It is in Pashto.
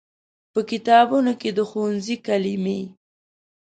په کتابونو کې د ښوونځي کلمې